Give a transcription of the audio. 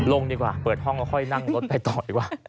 ลงดีกว่าเปิดห้องแล้วค่อยนั่งรถไปต่อดีกว่า